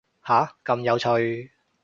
下，咁有趣